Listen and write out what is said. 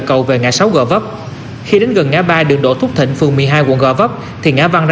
cầu về ngã sáu g vấp khi đến gần ngã ba đường đỗ thúc thịnh phường một mươi hai quận gò vấp thì ngã văng ra